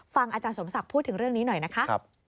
อาจารย์สมศักดิ์พูดถึงเรื่องนี้หน่อยนะคะ